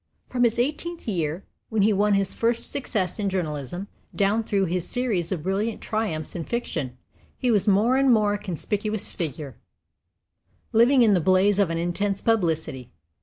From his eighteenth year, when he won his first success in journalism, down through his series of brilliant triumphs in fiction, he was more and more a conspicuous figure, living in the blaze of an intense publicity.